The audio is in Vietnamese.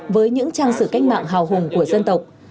với những trang sử cách mạng hào hùng của dân tộc